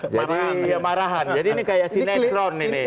jadi marahan jadi ini kayak sinekron ini